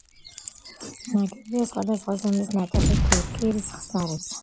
ნაგებია სხვადასხვა ზომის ნატეხი ქვით, კირის ხსნარზე.